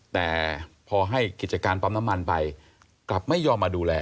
แต่พอให้กิจการปั๊มน้ำมันไปกลับไม่ยอมมาดูแล